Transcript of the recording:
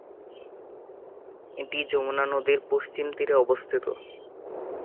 এটি যমুনা নদীর পশ্চিম তীরে অবস্থিত।